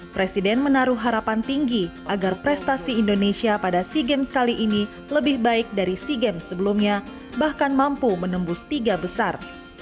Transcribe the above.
presiden menaruh harapan tinggi agar prestasi indonesia pada sea games kali ini lebih baik dari sea games sebelumnya bahkan mampu menembus tiga besar